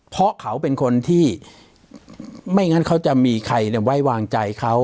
เพราะเขาเป็นคนที่ไม่งั้นเขาจะมีใครไว้วางใจเขา